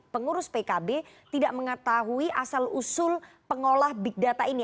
pengurus pkb tidak mengetahui asal usul pengolah big data ini